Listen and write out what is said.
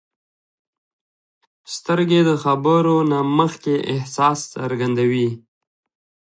سترګې د خبرو نه مخکې احساس څرګندوي